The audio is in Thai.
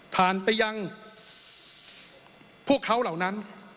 ผ่านไปยังพวกเขาเหล่านั้น